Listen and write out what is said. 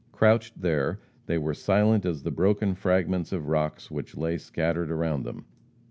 Crouched there, they were silent as the broken fragments of rocks which lay scattered around them.